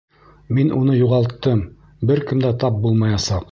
Мин уны юғалттым, бер кем дә тап булмаясаҡ.